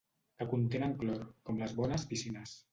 Que contenen clor, com les bones piscines.